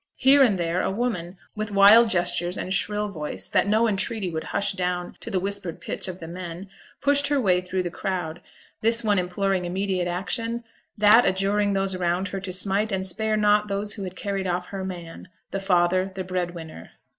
Here and there, a woman, with wild gestures and shrill voice, that no entreaty would hush down to the whispered pitch of the men, pushed her way through the crowd this one imploring immediate action, that adjuring those around her to smite and spare not those who had carried off her 'man', the father, the breadwinner.